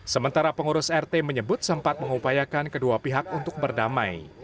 sementara pengurus rt menyebut sempat mengupayakan kedua pihak untuk berdamai